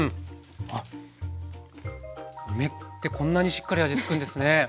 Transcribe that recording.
あっ梅ってこんなにしっかり味つくんですね。